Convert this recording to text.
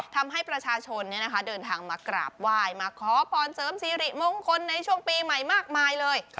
ทำให้ประชาชนเดินทางมากราบไหว้มาขอพรเสริมสิริมงคลในช่วงปีใหม่มากมายเลย